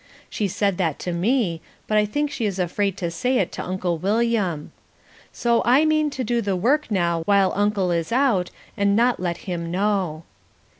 She said that to me, but I think she is afraid to say it to Uncle William. So I mean to do the work now while Uncle is out and not let him know.